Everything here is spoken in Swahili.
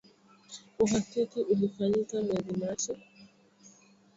Uhakiki ulifanyika mwezi Machi